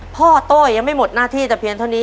พ่อโตยังไม่หมดหน้าที่